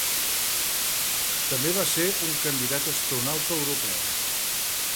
També va ser un candidat astronauta europeu.